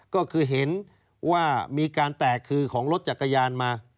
ก็คือเห็นว่ามีการแตกคือของรถจักรยานมา